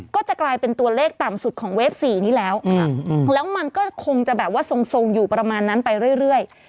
ก็จะกลายเป็นตัวเลขต่ำสุดของเวฟ๔นี้แล้วแล้วมันก็คงจะแบบว่าทรงอยู่ประมาณนั้นไปเรื่อย